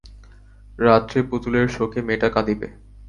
রাত্রে পুতুলের শোকে মেয়েটা কাদিবে।